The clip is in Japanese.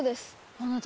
あなた